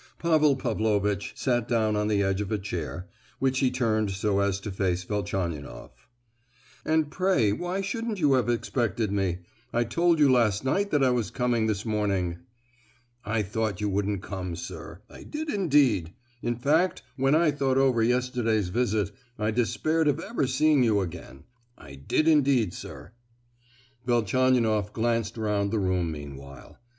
Pavel Pavlovitch sat down on the edge of a chair, which he turned so as to face Velchaninoff. "And pray why shouldn't you have expected me? I told you last night that I was coming this morning!" "I thought you wouldn't come, sir—I did indeed; in fact, when I thought over yesterday's visit, I despaired of ever seeing you again: I did indeed, sir!" Velchaninoff glanced round the room meanwhile.